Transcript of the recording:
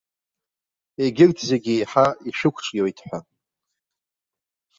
Егьырҭ зегьы еиҳа ишәықәҿиоит ҳәа.